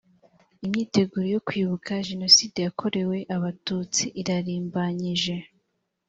imyiteguro yo kwibuka jenoside yakorewe abatutsi irarimbanyije